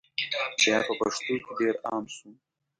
بیا په پښتنو کي ډېر عام سو